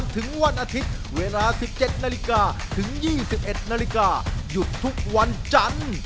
ถึง๒๑นาฬิกาหยุดทุกวันจันทร์